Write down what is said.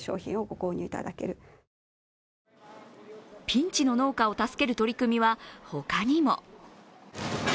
ピンチの農家を助ける取り組みは他にも。